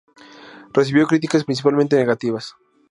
Recibió críticas principalmente negativas.